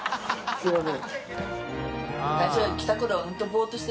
すごいね。